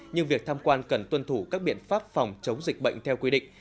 nhưng việc tham quan cần tuân thủ các biện pháp phòng chống dịch bệnh theo quy định